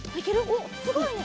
おっすごいね！